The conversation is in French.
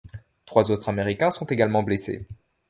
Trois autres Américains sont également blessés.